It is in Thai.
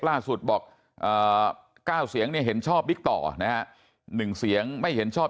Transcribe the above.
ล่าสุดบอก๙เสียงนี่เห็นชอบลิกด์ต่อ๑เสียงไม่เห็นชอบ